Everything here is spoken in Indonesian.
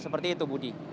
seperti itu budi